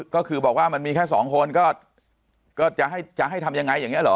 ก็คือบอกว่ามันมีแค่สองคนก็จะให้ทำยังไงอย่างนี้เหรอ